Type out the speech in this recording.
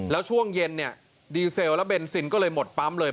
แล้วช่วงเย็นเนี่ยดีเซลและเบนซินก็เลยหมดปั๊มเลย